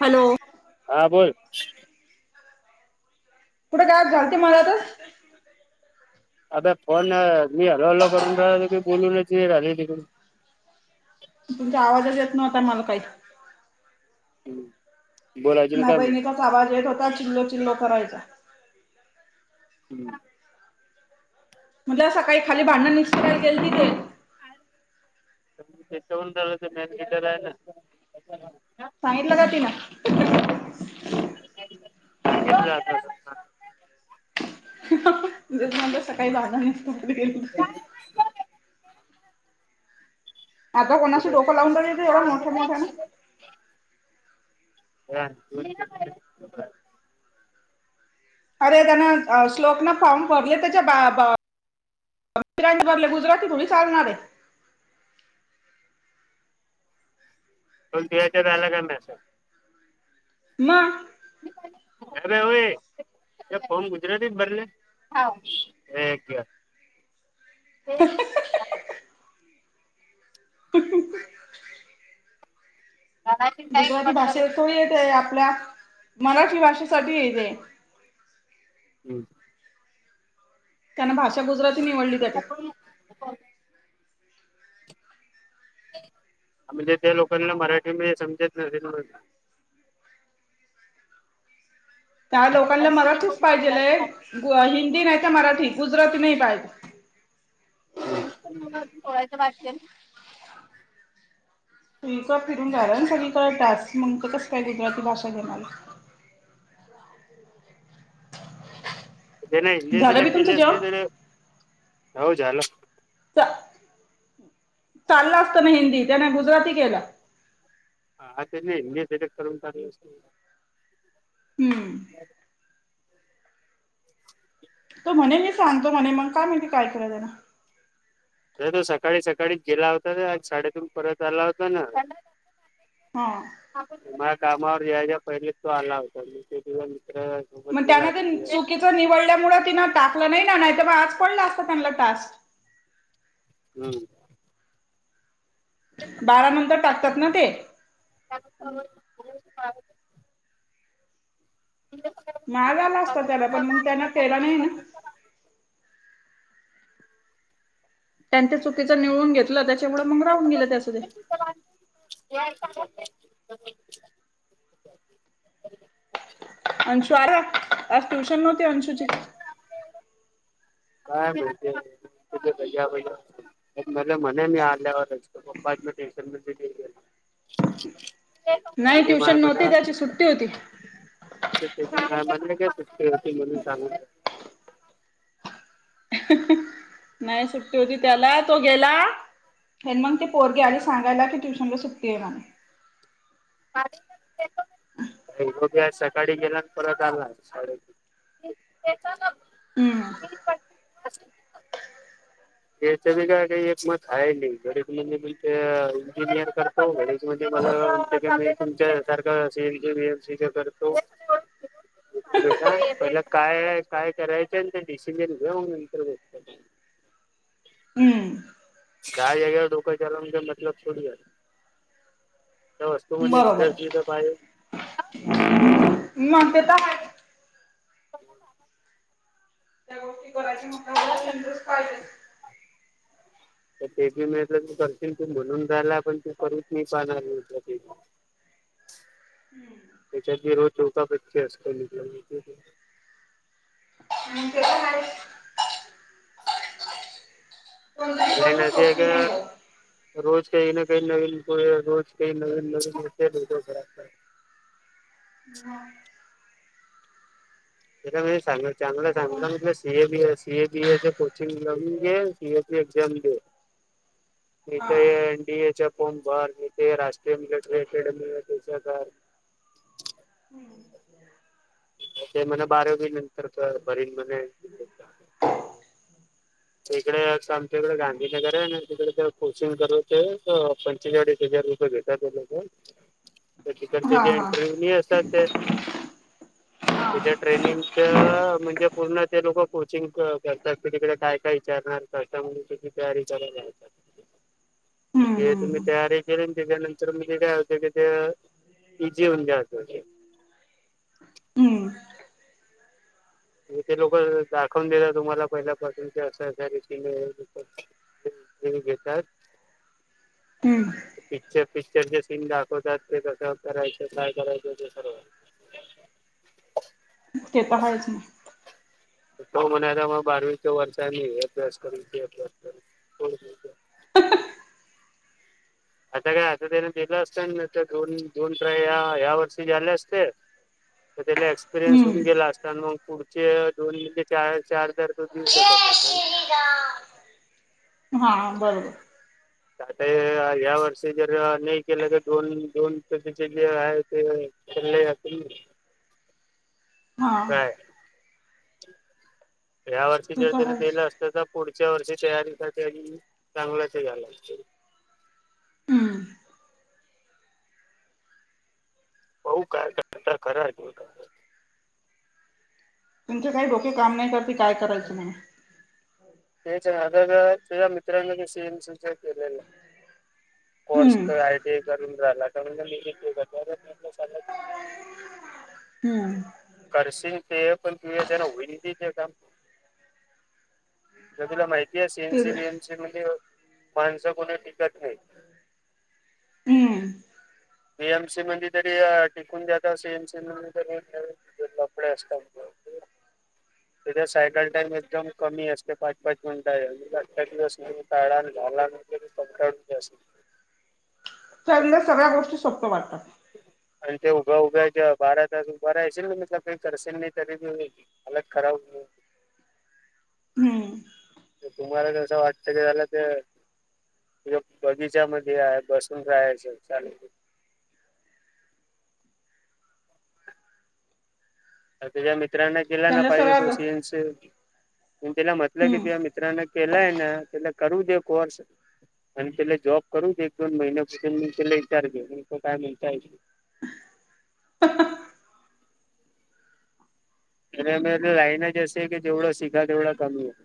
Hello हा बोल कुठे गायब झालते मधातच. आता फोन अ मी हलो हलो करून राहलो की बोलूनच राहिली तिकून. तुमचा आवाजच येत नव्हता मला काय. [inaudible] बोलायचे ना माय काम बहिणीचाच आवाज येत होता चिल्लो चिल्लो करायचा. [unintelligible] म्हणलं सकाळी खाली भांडणं निस्त्राय गेलती ते. तेच्याऊन ठरवायचं मॅच गिटर आहे ना. सांगितला का तिला का [inaudible] सकाळी जाणं [unintelligible] आता कोणाशी बोला डोकं लावून [inaudible] ये एवढं मोठ्या मोठ्यानं [unintelligible] अरे त्यांन श्लोकन फॉर्म भरले त्यांच्या बा [inaudible] गुजराती थोडी चालणार आहे. [inaudible] झाला काय मग अरे व्हय फार्म गुजरती भरले हा ऐ [inaudible] [unintelligible] गुजराती भाषे तो येते, आपल्या मराठी भाषेसाठी येते हम्म त्यांन भाषा गुजराती निवडली त्यांच्यात म्हणजे त्या लोकांना मराठी म समजेत नाही, काही लोकांना मराठीच पाहिजे, गु हिंदी नाही तर मराठी गुजराती नाही पाहिजे. सोळाचे [inaudible] तुमचं फिरून झालं सगळीकडे टास्क मग कसं काय गुजराती भाषा घेणारला [inaudible] झालं बी तुमचं केले असते जेवण? तर होऊ झालं च चाललं असत, ना हिंदी त्याने गुजराती केलं. हा त्यांनी [inaudible] करून पाठवा हम्म तो म्हणे मी सांगतो म्हणे मग का माहित काय कराय जायला अरे तो सकाळी सकाळी गेला होता ना आज शाळेतून परत आला होता ना हा माझ्या कामावर ज्या ज्या पहिलेच तो आला होता, म तेव मित्र मग त्यानं ते चुकीचं निवडल्यामुळे तिनं टाकलं नाही, ना नाहीतर मग आज पडलं असतं त्यांना टास्क हम्म बारा नंतर टाकतात ना ते [unintelligible] [unintelligible] माग आला असता त्याला पण मग त्यानं केला नाही ना त्यांच्या चुकीचं निवळून घेतलं त्यांच्यामुळे मग राहून गेलं त्यास [unintelligible] अंशु आला आज ट्यूशन नव्हती अंशुची काय माहितेय [inaudible] मला म्हणे [inaudible] पप्पा म टेशन मध्ये गेलो नाही ट्युशन नव्हती त्यांची सुट्टी होती. काय म्हटले काय सुट्टी होती म्हणून, सांगून नाही सुट्टी होती, त्याला तो गेला हेमंत ची पोरगी आली सांगायला की ट्युशनला सुट्टी आहे म्हणून [unintelligible] सकाळी गेला आणि परत आला, साडे हम्म त्यांच बी एक मत हाय नाय [inaudible] इंजिनियर कर ज म्हणजे मला वाटत की मी तुमच्या सारखं सीएमी बीएम सी करतो [unintelligible] बेटा पहि काय काय करायचं आणि ते डिसिजन घ मग नंतर ब [inaudible] ह हम्म गाय अगेवर ढोकळ चालव मतलब ोडीलवस् [inaudible] त म्हणजे रिझर्चीज पाय आहे [unintelligible] मग ते तर आहे. [unintelligible] [unintelligible] त्याच्यात येवढ्यासाठी इंटरेस्ट पाहिजे तर ते पी म्ह करश त म्हणून राला पण ते करूच मी पाहणार [unintelligible] ह त्याच्याशी रोज चोटा पटी असतं. आणि ते काय कोणतीही लाईन गोष्ट अशी आहे सोपी ग नाही जात रोज काही ना काही नवीन रोज काही नवीन नवीन हा एका वेळेस चांगलं सांग तिला C A B A CA बीएचे कोचिंग लावून घे सीए बी एक्झाम दे ह इथे एनडीए च्या फोर्म भर इथे राष्ट्रीय मिलिटरी अकॅडमटच्या हम्म ते म्हण बारावी नंतर कर बरेच म्हणे आमच्या इकडे गांधीनगर आहे आणि तिकडे कोचिंग कर होते पंचेचाळीस हजार घेेतातय तसं ह तिकडचे जे इंटरव्ह्यू नाही असतात ते हा तिच्या ट्रेनिंगच म्हणजे पूर्ण ते लोक कोचिंग करतात क तिकडे काय काय विचारणार कची तयारी चालू आहे का [unintelligible] ह ते तुम्ही तयारी केली त्याच्यानंतर मग ते काय होते कि ते जेवण द्यायचं हम्म ते लोक दाखवून देतात तुम्हाला पहिल्यापासून असं आहे स घेतात [unintelligible] हम्म पिक्चर पिक्चरचे सीन दाखवतात ते कसं करायचं काय करायचं ते सर्व ते तर पाहायचं आहेच. हो म्हणला आता बारवीच वर्षा आहे हे अभ्यास करू ते अभ्यास करू आता काय आता त्याने दिलं असतं ना दोन दोन हयाया वर्षी झाले असते. मग त्याला एक्सपिरियन्स होऊन हम्म गेला असता मग पुढचे दोन म्हणजे चार चार दर तो देऊ शकत. जय ह श्रीराम. हा, बरोबर. आता या वर्षी जर नाही केलं तर दोन, दोन जे आहे ते लयं [unintelligible] हा काय? ह्या वर्षी ते जे तर त्यानं आहेच. दिलं असतं, तर पुढच्या वर्षी तयारीसाठी चांगलंच झाला असतं. हम्म बघु काय करतात, करा [unintelligible] तुमचे काही डोके काम नाही करते, काय करायचं म्हणून तेचं दादानं आणि त्याच्या मित्रांन सी एम सी केलेल आहे. कोर्स हम्म. तर आय टी आय करून राहिला मी. [inaudible] हम्म. करशील ते पण, तुझ्याच्यांन होई ते तर काम. तर तुला माहिती आहे सी एन ते सी, व्ही एम सी मध्ये माणसं कोणी टिकत नाही. हम्म. व्ही एम सी मध्ये तरी टिकून द्याात सी एन सी मध्ये लपडे असतात. [inaudible] तिथे सायकल टाइम एकदम कमी असते पाच, पाच मिनिटाला [unintelligible] काढा आणि घाला. तरी पण काढून घ्या असं. चरल्या सगळ्या गोष्टी सोप्या वाटतात. आणि ते उभ्या-उभ्या आहेत बारा तास उभा राहाशील ना, [inaudible] करशल नाही तरी अलग खराब. हम्म. तुम्हाला जसं वाटत क झाला ते तुझ्या बगीचामध्ये आहे, बसून राहायचं. अरे तुझ्या मित्रांना दिला ना त्यांना पाहिजे, सगळ्या तो गो सी एन सी तिला म्हटलं की हम्म ति मित मित्रांन केलाय ना त्याला करू दे कोर्स. आणि त्याला जॉब करू एक दोन महिन्यापासून मी त्याला विचार घे मी त काय म्हणता ये. खरं म्हणजे लाईनच अशी आहे की जेवढं शिकलं तेवढं कमी आहे.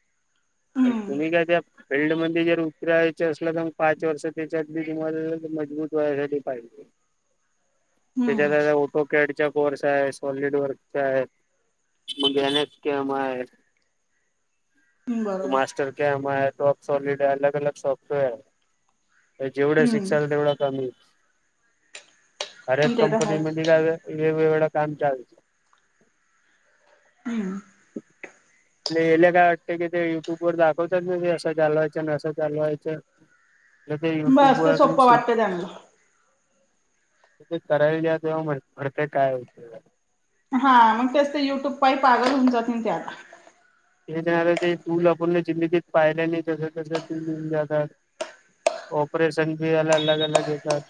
[inaudible] अ कुणी काय त्यात? फिल्ड मध्ये जर उतरायच असलं, तर मग पाच वर्ष त्याच्यात तुम्हाला मजबूत व्हायसाठी पाहिजे. [inaudible] हम्म त्याच्यात ओटोकॅडचा कोर्स आहे. सॉलिड वर्क काय? म्हजे एन एस केम आहे. बरोबर मास्टरकॅम्प, टॉपसॉलिड अलग, अलग सॉफ्टवेअर. हे जेवढं हम्म शिक्षलं तेवढं कमी हर एक पण ते तर कंपनी मध्ये आहेच काय वेग-वेगळ काम चालेचे. [inaudible] हम्. [unintelligible] काय वाटतं की ते युट्यूबवर दाखवत ना, असं घालवायचं अन् चालवायचं. ते बस युट्यूब ते वरून सोपं शिक वाटत त्यांना तिथं करायला जावा तेव्हा [unintelligible] काय होते. हा मग तेच ते युट्यूब पाई पागल होऊन जात नाही ते त्यात. हे जाणार ते तू पूर्ण जिंदगत पाहिल्या नाही जसं तसं तूऊन जातात. ऑपरेशन भी अलग, अलग येतात.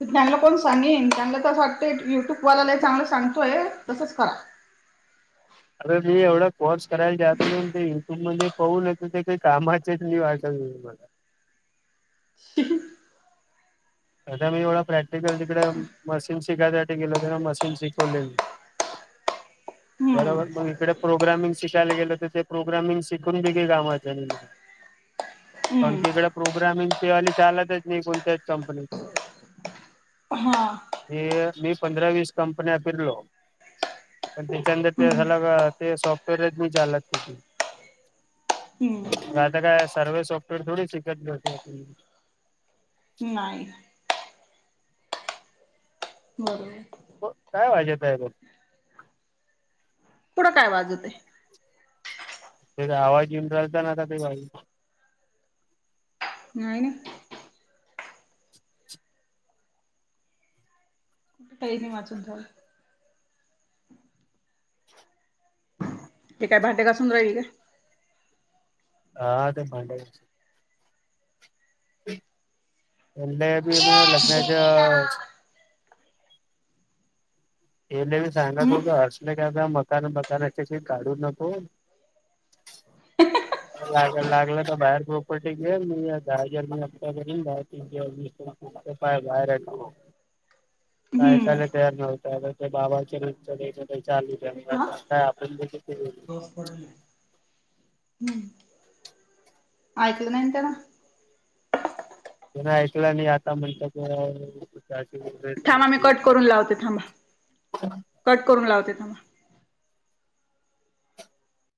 त चांगलं कोण सांगेन, चांगलं तसं वाटतं युट्यूबवालाला चांगलं सांगतोय तसंच करा. अरे मी एवढा कोर्स करायला जातो ते तू म्हणजे पाउ नइ त ते काय कामाचेच नाइ वाटत मला. [unintelligible] [inaudible] आता मी एवढा प्रॅक्टिकल तिकडे मशीन शिकायसाठी गेलो ते मशीन शिकवले. [inaudible] बरोबर मग इकडे प्रोग्रामिंग शिकायला गेल, तर ते प्रोग्रामिंग शिकून बी काही कामाच नइ [unintelligible] कारण हम्म क इकडे प्रोग्रामिंगचीवाली चालतच नाई कोणत्याच कंपनी. हा ते मी पंधरा वीस कंपन्या फिरलो. पण तेच्या नंतर ते हम्म झाला का ते सॉफ्टवेअरच नइ चालत कुठे- हम्म. ता काय सार्व सॉफ्टवेअर थोडी शिकत घेतो आप नाई बरोबर. हो काय वाजवताय कुड काय वाजवतेय. ते आवाज येऊन रालता ना आता ताई नाही काई नाई वाचून थोड हे काय भांडे घासून राहिलेय आ हां आत्या भांड्यांची [unintelligible] लग्नाच्या तेले मी सांगत हम्म होतो असले काय बी मकान मकानच्याबी काडु नको लाग लागलं तर बाहेर प्रॉपर्टी घेईल मी दहा हजारांनी हफ्ता भरून दहा [unintelligible] पाय बाहेर आहे काय हम्म ऐकायला तयार न्हवता ते आता बाबा आमचे सकाळी सकाळी चालूद्या आता काय आपण बघितलेलय पर ऐकल नाय ना तेन जर ऐकला नाय आता म्हणतात [unintelligible] थांमा मी कट करून लावते.. थांबा.. कट करून लावते थांबा